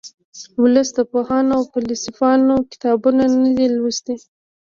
ولس د پوهانو او فیلسوفانو کتابونه نه دي لوستي